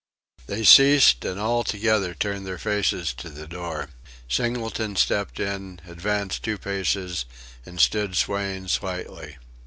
They ceased, and all together turned their faces to the door. Singleton stepped in, advanced two paces, and stood swaying slightly.